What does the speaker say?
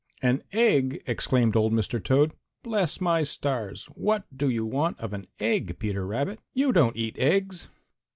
"An egg!" exclaimed old Mr. Toad. "Bless my stars! What do you want of an egg, Peter Rabbit? You don't eat eggs."